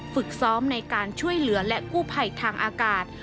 ฝึกซ้อมในการช่วยเหลือและกู้ภัยทางอากาศ